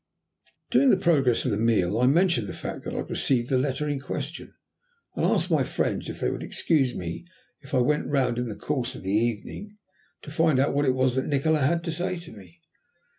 During the progress of the meal I mentioned the fact that I had received the letter in question, and asked my friends if they would excuse me if I went round in the course of the evening to find out what it was that Nikola had to say to me.